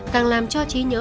càng làm cho trí nhớ